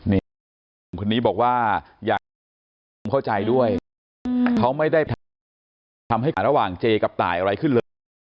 นี่คุณนี้บอกว่าอย่างที่ผมเข้าใจด้วยเขาไม่ได้ทำให้หลักหลังเจกับตายอะไรขึ้นเลย